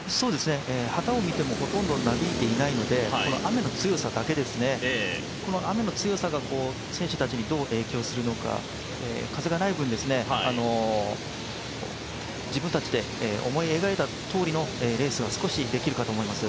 旗を見ても、ほとんどなびいていないので、雨の強さだけですね、雨の強さが選手たちにどう影響するのか風がない分、自分たちで思い描いたとおりのレースが少しできるかと思います。